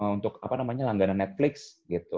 untuk apa namanya langganan netflix gitu